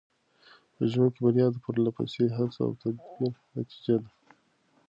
په ژوند کې بریا د پرله پسې هڅو او تدبیر نتیجه ده.